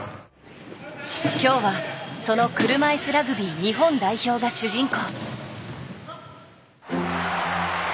今日はその車いすラグビー日本代表が主人公。